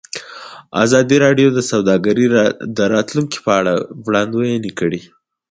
ازادي راډیو د سوداګري د راتلونکې په اړه وړاندوینې کړې.